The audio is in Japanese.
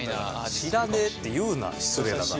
「知らねえ」って言うな失礼だから。